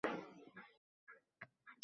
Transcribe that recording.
Аlangalab gurlagan gulxan